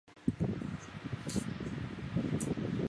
在文保二年即位。